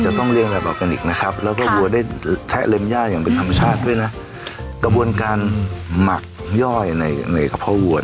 ค่ะต้องบอกพี่ป้องคิดจะเลี้ยงโคตรต้องเลี้ยงดีดีนะครับครับ